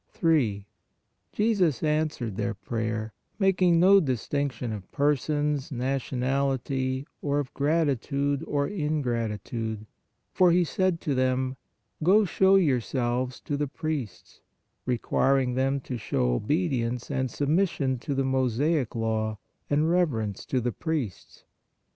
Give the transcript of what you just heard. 3. Jesus answered their prayer, making no dis tinction of persons, nationality or of gratitude or ingratitude, for He said to them :" Go, show your selves to the priests," requiring them to show obed ience and submission to the Mosaic Law, and rev erence to the priests.